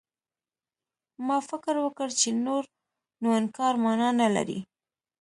ما فکر وکړ چې نور نو انکار مانا نه لري.